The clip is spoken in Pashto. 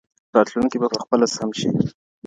راتلونکی به پخپله سم شي.